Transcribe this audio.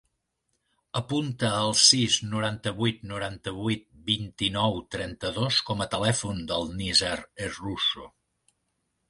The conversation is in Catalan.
Apunta el sis, noranta-vuit, noranta-vuit, vint-i-nou, trenta-dos com a telèfon del Nizar Herruzo.